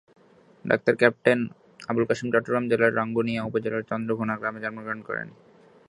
ডা ক্যাপ্টেন আবুল কাসেম চট্টগ্রাম জেলার রাঙ্গুনিয়া উপজেলার চন্দ্রঘোনা গ্রামে জন্মগ্রহণ করেন।